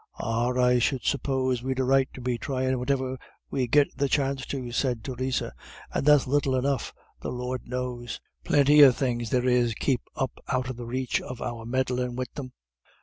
"Ah, I should suppose we'd a right to be thryin' whativer we get the chance to," said Theresa, "and that's little enough, the Lord knows. Plinty of things there is kep' up out of the raich of our meddlin' wid them."